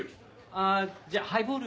あっじゃあハイボール。